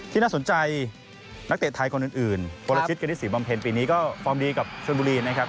น่าสนใจนักเตะไทยคนอื่นปลชิตกณิตศรีบำเพ็ญปีนี้ก็ฟอร์มดีกับชนบุรีนะครับ